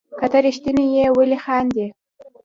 که ته ريښتيني يي ولي خاندي